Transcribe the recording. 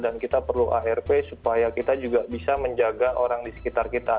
dan kita perlu arvt supaya kita juga bisa menjaga orang di sekitar kita